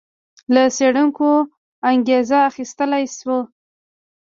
له څېړونکو انګېزه اخیستل شوې.